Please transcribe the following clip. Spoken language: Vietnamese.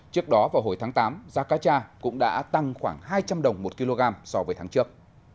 trước đó vào hồi tháng tám giá cá tra cũng đã tăng khoảng hai trăm linh đồng một kg so với tháng trước